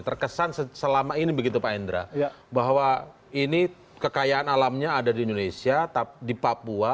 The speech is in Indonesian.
terkesan selama ini begitu pak endra bahwa ini kekayaan alamnya ada di indonesia di papua